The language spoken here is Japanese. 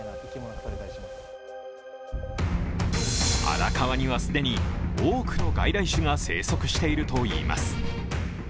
荒川には既に多くの外来種が生息しているといいます。